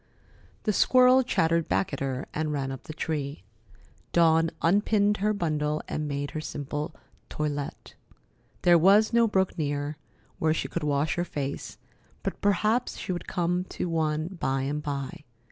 The squirrel chattered back at her and ran up the tree. Dawn unpinned her bundle and made her simple toilet. There was no brook near, where she could wash her face, but perhaps she would come to one by and by.